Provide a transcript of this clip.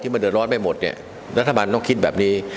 มันเดือดร้อนไปหมดเนี่ยรัฐบาลต้องคิดแบบนี้